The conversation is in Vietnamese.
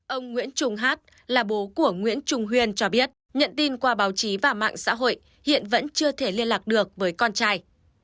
ông nguyễn trung hát là bố của nguyễn trung huyên cho biết nhận tin qua báo chí và mạng xã hội hiện vẫn chưa thể liên lạc được với con trai